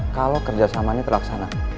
kalau kerjasama ini terlaksana